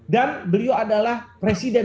dan beliau adalah presiden